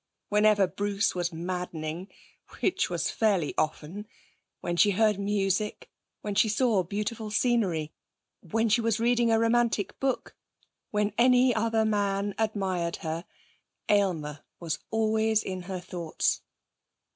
Whenever Bruce was maddening which was fairly often when she heard music, when she saw beautiful scenery, when she was reading a romantic book, when any other man admired her, Aylmer was always in her thoughts.